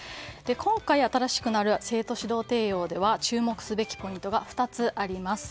今回、新しくなる「生徒指導提要」では注目すべきポイントが２つあります。